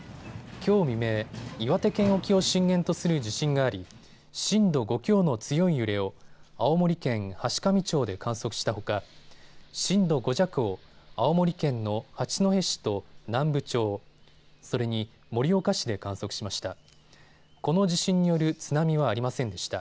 きょう未明、岩手県沖を震源とする地震があり震度５強の強い揺れを青森県階上町で観測したほか震度５弱を青森県の八戸市と南部町、それに盛岡市で観測しました。